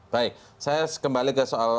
baik saya kembali ke soal